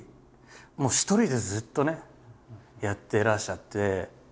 一人でずっとねやっていらっしゃって。